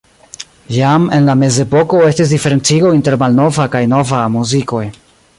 Jam en la mezepoko estis diferencigo inter malnova kaj nova muzikoj.